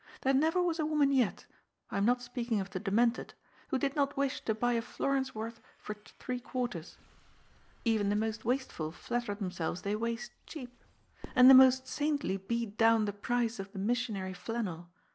There never was a woman yet — I am not speaking of the demented — ^who did not wish to buy a florin's worth for * three quarters.' Even the most wasteful flatter themselves they ' waste cheap.' And the most saintly beat down the price of the missionary flannel.